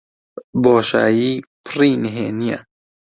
بۆشایی پڕی نهێنییە.